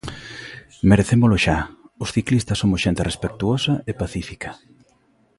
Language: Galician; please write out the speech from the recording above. Merecémolo xa, os ciclistas somos xente respectuosa e pacífica.